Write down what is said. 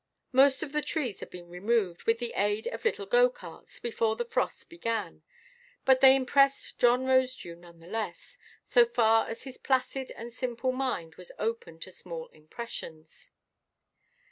Most of the trees had been removed, with the aid of little go–carts, before the frosts began; but they impressed John Rosedew none the less, so far as his placid and simple mind was open to small impressions.